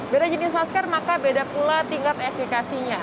beda jenis masker maka beda pula tingkat efekasinya